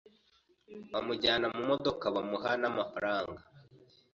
Bamujyana mu modoka, bamuha n' amafaranga